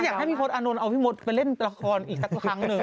อยากให้พี่พลตอานนท์เอาพี่มดไปเล่นละครอีกสักครั้งหนึ่ง